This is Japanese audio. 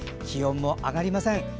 気温も上がりません。